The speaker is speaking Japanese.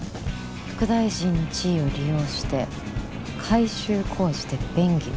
副大臣の地位を利用して改修工事で便宜を？